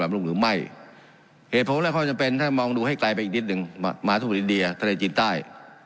ไม่ค่อยจำเป็นถ้ามองดูให้ไกลไปอีกนิดหนึ่งมหาศูนย์อินเดียทะเลจีนใต้